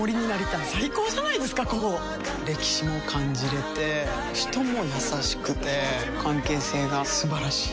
歴史も感じれて人も優しくて関係性が素晴らしい。